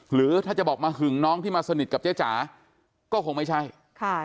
หรือถ้าจะบอกมาหึงน้องที่มาสนิทกับเจ๊จ๋าก็คงไม่ใช่ค่ะ